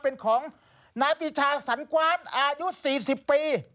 เป็นของนายปีชาสันกวานอายุ๔๐ปี